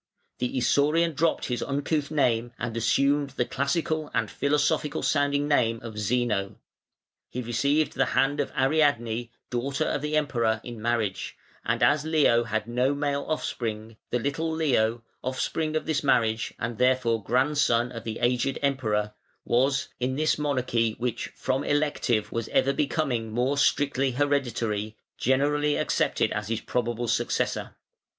The Isaurian dropped his uncouth name and assumed the classical and philosophical sounding name of Zeno; he received the hand of Ariadne, daughter of the Emperor, in marriage, and as Leo had no male offspring, the little Leo, offspring of this marriage and therefore grandson of the aged Emperor, was, in this monarchy which from elective was ever becoming more strictly hereditary, generally accepted as his probable successor.